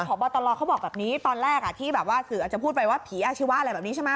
ผอบตลอเขาบอกแบบนี้ตอนแรกที่อาจจะพูดไปว่าผีอาชีวะอะไรแบบนี้ใช่ไหม